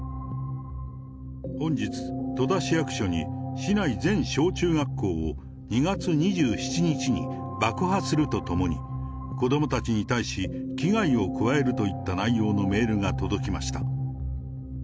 本日、戸田市役所に市内全小中学校を２月２７日に爆破するとともに、子どもたちに対し、危害を加えるといった内容のメールが届きました。